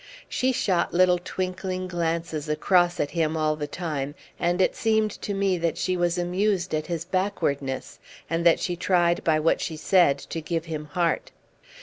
She shot little twinkling glances across at him all the time, and it seemed to me that she was amused at his backwardness, and that she tried by what she said to give him heart.